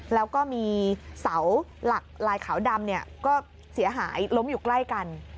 แล้วก็มีเสาหลักลายขาวดำก็เสียหายล้มอยู่ใกล้กัน